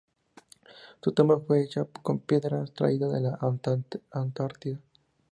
Su tumba fue hecha con piedras traídas de la Antártida.